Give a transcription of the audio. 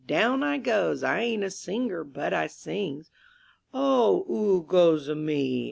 Down I goes; I ain't a singer, but I sings. "Oh, 'oo goes 'ome?"